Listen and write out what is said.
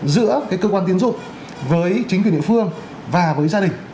giữa cơ quan tiến dụng với chính quyền địa phương và với gia đình